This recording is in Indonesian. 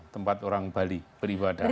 tempat orang bali beribadah